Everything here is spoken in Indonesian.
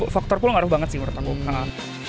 faktor pul ngaruh banget sih menurut aku